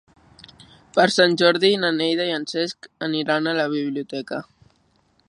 Per Sant Jordi na Neida i en Cesc aniran a la biblioteca.